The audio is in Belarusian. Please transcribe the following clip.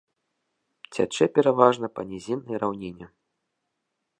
Цячэ пераважна па нізіннай раўніне.